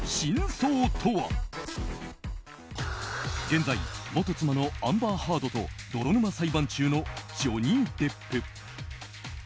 現在元妻のアンバー・ハードと泥沼裁判中のジョニー・デップ。